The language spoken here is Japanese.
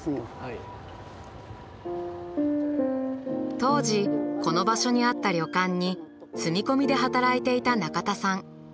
当時この場所にあった旅館に住み込みで働いていた中田さん。